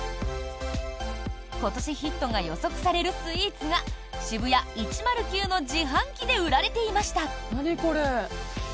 今年ヒットが予測されるスイーツがＳＨＩＢＵＹＡ１０９の自販機で売られていました。